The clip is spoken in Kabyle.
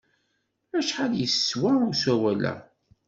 Acḥal yeswa usawal-a?